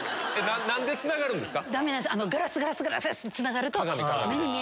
何でつながるんですか？